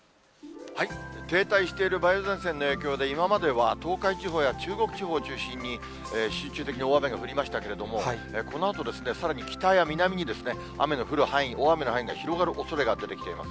停滞している梅雨前線の影響で、今までは東海地方や中国地方を中心に、集中的に大雨が降りましたけれども、このあと、さらに北や南に雨の降る範囲、大雨の範囲が広がるおそれが出てきています。